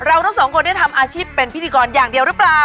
ทั้งสองคนได้ทำอาชีพเป็นพิธีกรอย่างเดียวหรือเปล่า